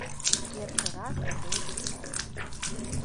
Першы раз за доўгі час.